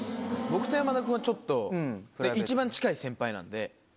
僕と山田君はちょっと、一番近い先輩なんで。